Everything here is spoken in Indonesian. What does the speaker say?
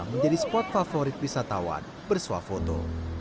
menjadi spot favorit wisatawan bersuah foto